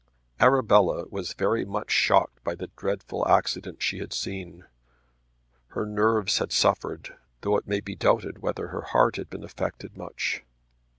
Arabella was very much shocked by the dreadful accident she had seen. Her nerves had suffered, though it may be doubted whether her heart had been affected much.